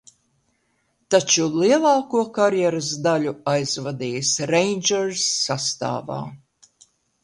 "Taču lielāko karjeras daļu aizvadījis "Rangers" sastāvā."